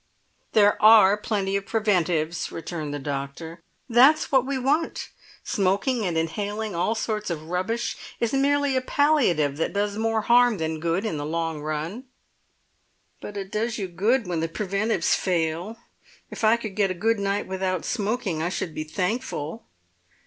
"There are plenty of preventives," returned the doctor. "That's what we want. Smoking and inhaling all sorts of rubbish is merely a palliative that does more harm than good in the long run." "But it does you good when the preventives fail. If I could get a good night without smoking I should be thankful."